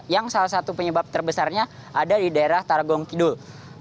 yang salah satu penyebab terbesarnya ada di daerah targong kidul